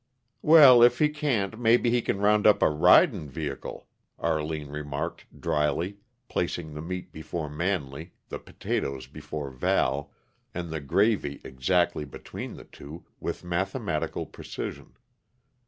"Well, if he can't, maybe he can round up a ridin' vee hicle," Arline remarked dryly, placing the meat before Manley, the potatoes before Val, and the gravy exactly between the two, with mathematical precision.